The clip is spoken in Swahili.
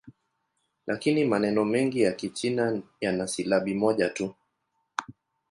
Lakini maneno mengi ya Kichina yana silabi moja tu.